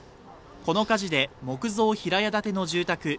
この火事で木造平屋建ての住宅